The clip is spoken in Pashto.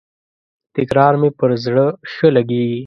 تکرار مي پر زړه ښه لګیږي.